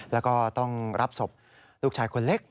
แล้วก็ต้องรับศพลูกชายคนเล็ก